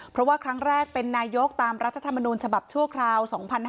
เพราะว่าครั้งแรกเป็นนายกตามรัฐธรรมนูญฉบับชั่วคราว๒๕๕๙